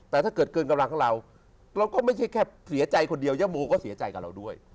แต่ถ้าเกิดเกินกำลังของเราเราก็ไม่ใช่แค่เสียใจคนเดียวย่าโมก็เสียใจกับเราด้วย